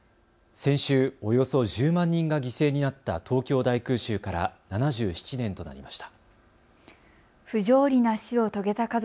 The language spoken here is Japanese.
先週、およそ１０万人が犠牲になった東京大空襲から７７年となりました。